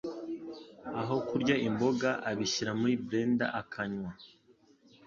Aho kurya imboga, abishyira muri blender akanywa.